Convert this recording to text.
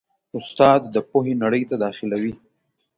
استاد د پوهې نړۍ ته داخلوي.